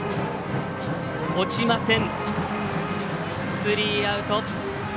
スリーアウト。